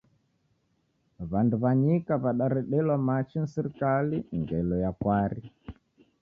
W'andu wa nyika wadaredelwa machi ni sirikali ngelo ya kwari